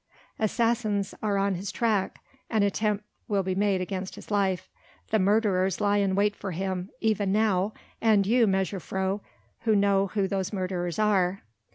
"Assassins are on his track ... an attempt will be made against his life ... the murderers lie in wait for him ... even now ... and you, mejuffrouw, who know who those murderers are...."